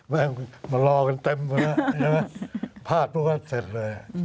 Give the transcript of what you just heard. แม่งมันรอกันเต็มมาแล้วภาพพวกนั้นเสร็จเลย